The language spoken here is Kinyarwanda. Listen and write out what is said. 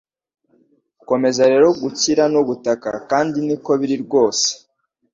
ukomeza rero gukira 'no gutaka' kandi niko biri rwose